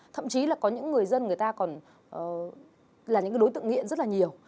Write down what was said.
thậm chí là có những người dân người ta còn là những đối tượng nghiện rất là nhiều